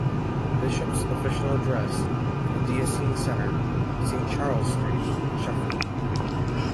The bishop's official address is The Diocesan Centre, Saint Charles' Street, Sheffield.